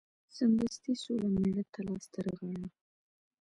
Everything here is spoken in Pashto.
سمدستي سوله مېړه ته لاس ترغاړه